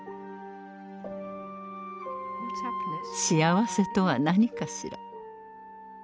幸せとは何かしら？